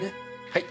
はい。